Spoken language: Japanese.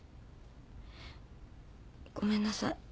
ごめんなさい。